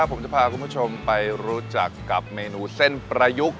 ผมจะพาคุณผู้ชมไปรู้จักกับเมนูเส้นประยุกต์